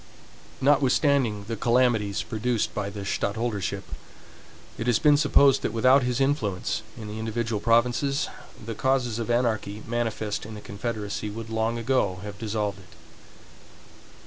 Notwithstanding the calamities produced by the stadtholdership, it has been supposed that without his influence in the individual provinces, the causes of anarchy manifest in the confederacy would long ago have dissolved it.